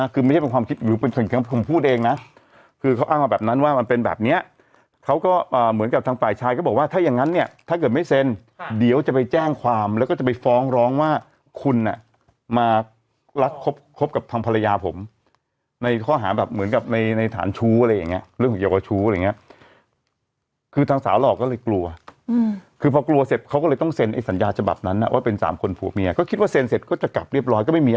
คือไม่ใช่เป็นความคิดอยู่เป็นสิ่งที่ผมพูดเองนะคือเขาอ้างมาแบบนั้นว่ามันเป็นแบบเนี้ยเขาก็เหมือนกับทางฝ่ายชายก็บอกว่าถ้าอย่างนั้นเนี่ยถ้าเกิดไม่เซ็นเดี๋ยวจะไปแจ้งความแล้วก็จะไปฟ้องร้องว่าคุณอ่ะมารักครบกับทางภรรยาผมในข้อหาแบบเหมือนกับในฐานชู้อะไรอย่างเงี้ยเรื่องเกี่ยวกับชู้อะไรอย่างเงี้